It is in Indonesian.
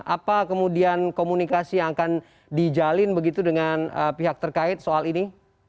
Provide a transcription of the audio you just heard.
apa kemudian komunikasi yang akan dijalin begitu dengan pihak terkait soal ini